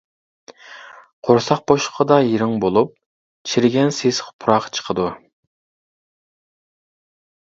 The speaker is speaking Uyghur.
قورساق بوشلۇقىدا يىرىڭ بولۇپ، چىرىگەن سېسىق پۇراق چىقىدۇ.